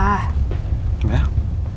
mas rhonda ternyata sendiri